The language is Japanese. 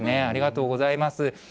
ありがとうございます。